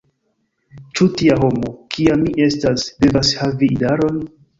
Ĉu tia homo, kia mi estas, devas havi idaron?